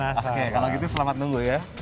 oke kalau gitu selamat nunggu ya